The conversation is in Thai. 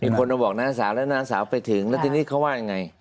คนมาบอกน้าสาวแล้วน้าสาวไปถึงแล้วทีนี้เขาว่ายังไง